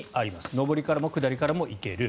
上りからも下りからも行ける。